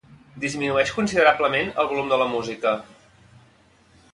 Disminueix considerablement el volum de la música.